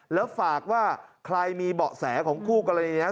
แล้วฝากว่าใครมีเบาะแสของคู่กรณีนี้